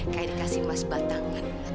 kayak dikasih mas batangan